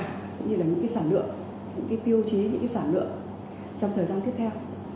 cũng như là những sản lượng những tiêu chí những sản lượng trong thời gian tiếp theo